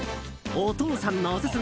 お父さんのオススメ